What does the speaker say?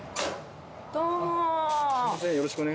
どうも。